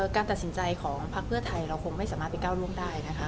การตัดสินใจของพักเพื่อไทยเราคงไม่สามารถไปก้าวล่วงได้นะคะ